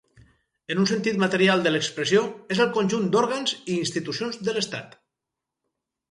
En un sentit material de l'expressió, és el conjunt d'òrgans i institucions de l'estat.